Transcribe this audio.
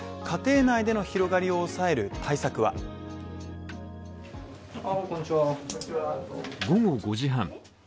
家庭内での広がりを抑える対策は午後５時半。